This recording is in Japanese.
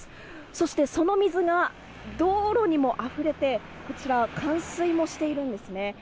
そしてその水が道路にもあふれてこちら冠水もしているんですね。